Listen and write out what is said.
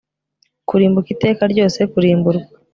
kurimbuka iteka ryose kurimburwa